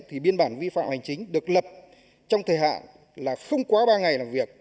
thì biên bản vi phạm hành chính được lập trong thời hạn là không quá ba ngày làm việc